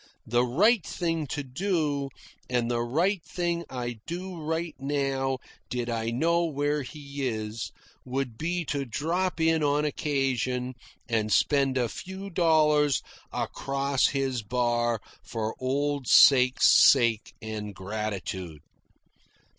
The right thing to do, and the thing I'd do right now did I know where he is, would be to drop in on occasion and spend a few dollars across his bar for old sake's sake and gratitude.